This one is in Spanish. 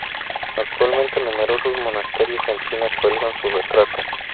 Actualmente, numerosos monasterios en China cuelgan su retrato.